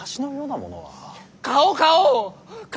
顔顔！